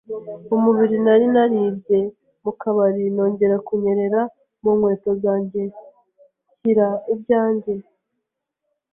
umubiri. Nari naribye mu kabari, nongera kunyerera mu nkweto zanjye, nshyira ibyanjye